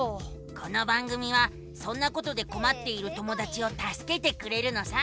この番組はそんなことでこまっている友だちをたすけてくれるのさ。